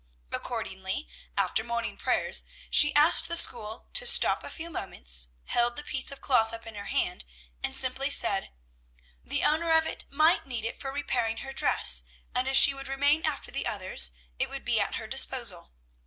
Accordingly, after morning prayers, she asked the school to stop a few moments, held the piece of cloth up in her hand, and simply said, "The owner of it might need it for repairing her dress, and if she would remain after the others left, it would be at her disposal."